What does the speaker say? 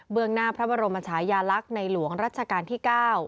งหน้าพระบรมชายาลักษณ์ในหลวงรัชกาลที่๙